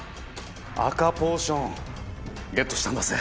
赤ポーションゲットしたんだぜ。